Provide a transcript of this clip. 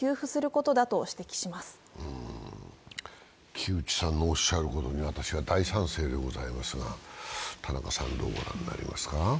木内さんのおっしゃることに私は大賛成でございますが、田中さんはどうご覧になりますか。